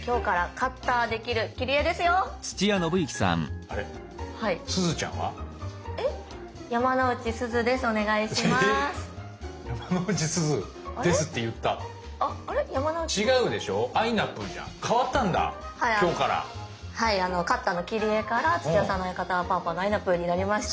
カッターの切り絵から土屋さんの相方はパーパーのあいなぷぅになりました。